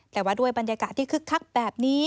แต่ว่าด้วยบรรยากาศที่คึกคักแบบนี้